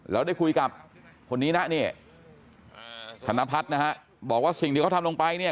แล้วได้คุยกับคนนี้นะเนี่ยธนพัฒน์นะฮะบอกว่าสิ่งที่เขาทำลงไปเนี่ย